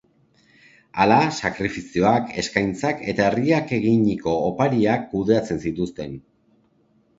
Hala, sakrifizioak, eskaintzak eta herriak eginiko opariak kudeatzen zituzten.